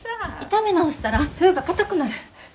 炒め直したら麩がかたくなる。